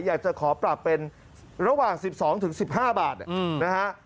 อยากจะขอปรับเป็นระหว่าง๑๒๑๕บาทนะฮะ